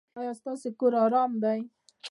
ایا ستاسو کور ارام دی؟